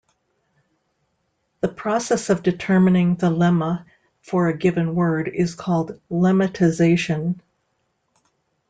The process of determining the "lemma" for a given word is called lemmatisation.